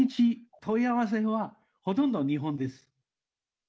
問い合わせは、ほとんど日本です。